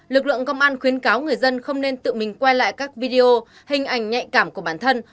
lực lượng công an khuyến cáo người dân không nên tự mình quay lại các video hình ảnh nhạy cảm của bản thân